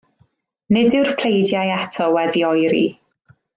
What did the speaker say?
Nid yw'r pleidiau eto wedi oeri.